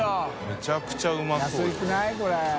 めちゃくちゃうまそうよこれ。